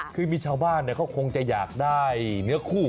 คือมีชาวบ้านเขาคงจะอยากได้เนื้อคู่